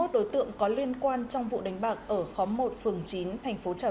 hai mươi một đối tượng có liên quan trong vụ đánh bạc ở khóm một phường chín tp hcm